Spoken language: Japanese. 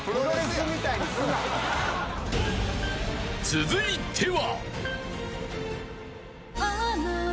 ［続いては］